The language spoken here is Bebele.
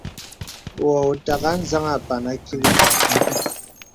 Wɔ̄ ùtàghà anzaŋ àpan àkìlì.